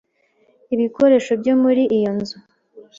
ibikoresho byo muri iyo nzu.